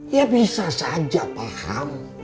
ya bisa saja paham